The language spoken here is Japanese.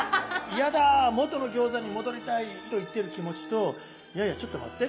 「嫌だもとの餃子に戻りたい！」と言ってる気持ちと「いやいやちょっと待って。